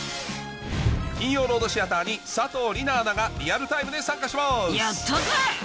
金曜ロードシアターに佐藤梨那アナがリアルタイムで参加しますやったぜ！